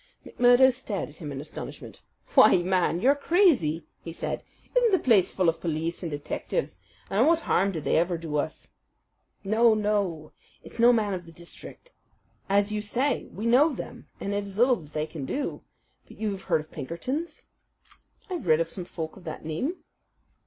McMurdo stared at him in astonishment. "Why, man, you're crazy," he said. "Isn't the place full of police and detectives and what harm did they ever do us?" "No, no, it's no man of the district. As you say, we know them, and it is little that they can do. But you've heard of Pinkerton's?" "I've read of some folk of that name."